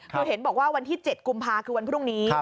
เห็นบอกว่าวันที่๗กุมภาคือวันพรุ่งนี้